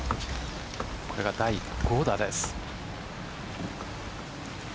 これが第５打です。